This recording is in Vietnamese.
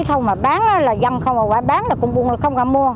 xong mà bán là dâm không mà bán là cũng buồn là không có mua